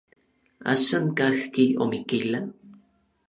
¿Axan kajki Omiquila?